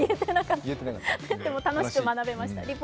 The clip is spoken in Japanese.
楽しく学べました。